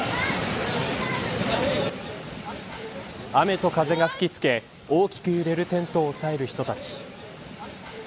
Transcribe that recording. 雨と風が吹き付け大きく揺れるテントを押さえる人たち。